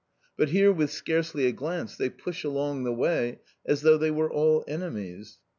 But here with scarcely a glance they push along the way as though they were all enemies.